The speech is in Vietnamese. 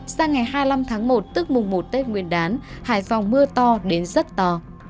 sang ngày hai mươi năm tháng một tức mùng một tết nguyên đán hải phòng mưa to đến rất to